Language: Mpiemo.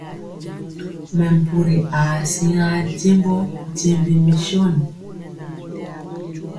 Mɛmpuri aa siŋa jembɔ jembi misɔn.